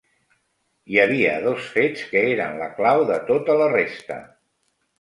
Hi havia dos fets que eren la clau de tota la resta.